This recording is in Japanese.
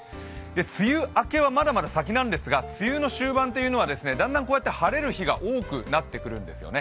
梅雨明けは、まだまだ先なんですが梅雨の終盤はだんだんこうやって晴れる日が多くなってくるんですね。